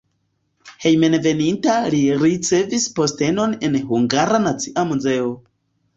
Hejmenveninta li ricevis postenon en Hungara Nacia Muzeo.